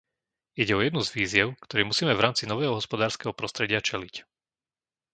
Ide o jednu z výziev, ktorej musíme v rámci nového hospodárskeho prostredia čeliť.